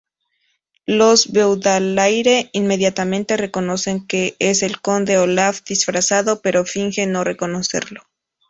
Los Baudelaire inmediatamente reconocen que es el Conde Olaf disfrazado, pero fingen no reconocerlo.